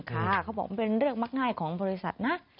เขาบอกมันเป็นเรื่องมักง่ายของบริษัทนะ